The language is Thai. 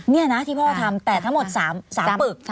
นี่นะที่พ่อทำแต่ทั้งหมด๓ปึก